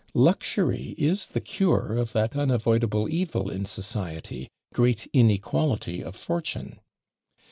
Luxury is the cure of that unavoidable evil in society great inequality of fortune!